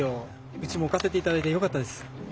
うちも置かせて頂いてよかったです。